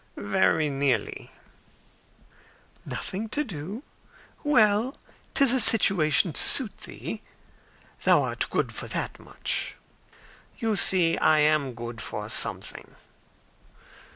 "Very nearly." "Nothing to do. Well 'tis a situation to suit thee. Thou art good for that much." "You see I am good for something."